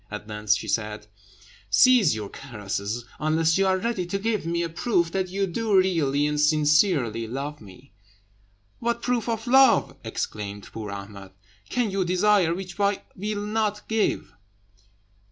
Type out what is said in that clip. At length she said "Cease your caresses, unless you are ready to give me a proof that you do really and sincerely love me." "What proof of love," exclaimed poor Ahmed, "can you desire which I will not give?"